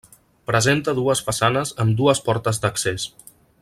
Presenta dues façanes amb dues portes d'accés.